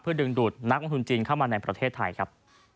ดึงดูดนักลงทุนจีนเข้ามาในประเทศไทยครับ